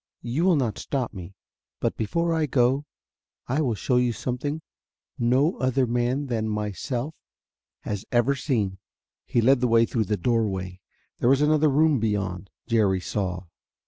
You will not stop me. But before I go I will show you something no other man than myself has ever seen." He led the way through the doorway. There was another room beyond, Jerry saw.